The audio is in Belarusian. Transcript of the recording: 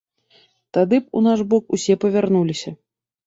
Тады б у наш бок усе павярнуліся.